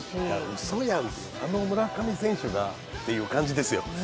うそやん、あの村上選手がっていう感じですよ。